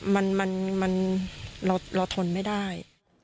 มันเราทนไม่ได้